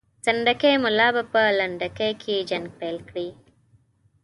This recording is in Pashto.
سنډکي ملا به په لنډکي کې جنګ پیل کړي.